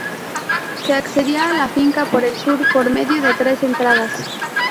Se accedía a la finca por el sur, por medio de tres entradas.